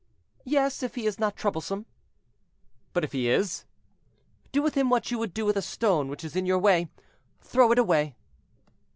"Yes; if he is not troublesome." "But if he is?" "Do with him what you would do with a stone which is in your way—throw it away."